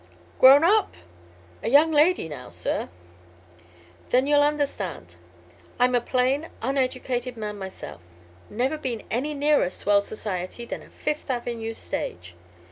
"Grown up?" "A young lady now, sir." "Then you'll understand. I'm a plain uneducated man myself. Never been any nearer swell society than a Fifth Avenue stage.